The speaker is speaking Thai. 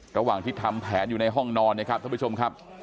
ระหว่างที่ทำแผนอยู่ในห้องนอนนะครับท่านผู้ชมครับ